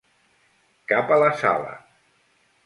Cap a la sala.